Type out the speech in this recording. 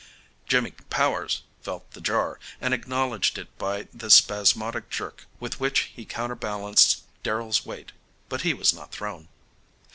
Jimmy Powers felt the jar, and acknowledged it by the spasmodic jerk with which he counterbalanced Darrell's weight. But he was not thrown.